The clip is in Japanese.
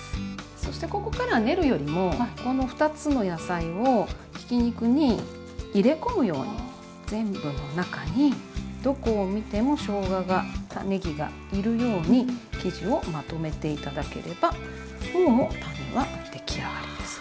そしてここからは練るよりもこの２つの野菜をひき肉に入れ込むように全部の中にどこを見てもしょうががねぎがいるように生地をまとめて頂ければもうタネは出来上がりです。